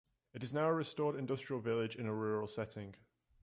It is now a restored industrial village in a rural setting.